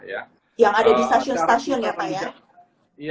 yang ada di stasiun stasiun ya pak ya